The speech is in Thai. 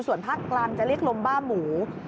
ส่วนภาคกลางจะเรียกลมบ้าหมู